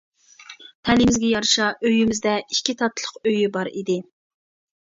تەلىيىمىزگە يارىشا ئۆيىمىزدە ئىككى تاتلىق ئۆيى بار ئىدى.